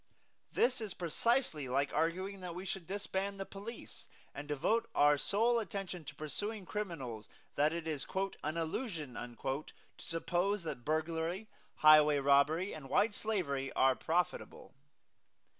This is precisely like arguing that we should disband the police and devote our sole attention to persuading criminals that it is "an illusion" to suppose that burglary, highway robbery and white slavery are profitable.